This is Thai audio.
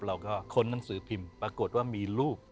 เราก็คนนั้นสือพิมพ์ปรากฏว่ามีรูป